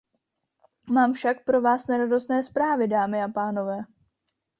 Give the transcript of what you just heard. Mám však pro vás neradostné zprávy, dámy pánové.